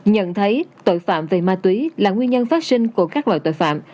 nhận thấy tội phạm về ma túy là nguyên nhân phát sinh của các loại tội phạm